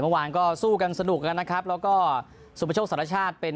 เมื่อวานก็สู้กันสนุกแล้วนะครับแล้วก็สุประโชคสารชาติเป็น